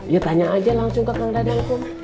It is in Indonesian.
ya tanya aja langsung ke kang dadang kum